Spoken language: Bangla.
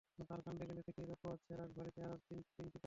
তার কাণ্ডে গলা ঠেকিয়ে রোদ পোহাচ্ছে রাশভারী চেহারার তিন তিনটি কচ্ছপ।